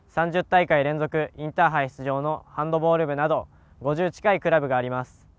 ３０大会連続インターハイ出場のハンドボール部など５０近いクラブがあります。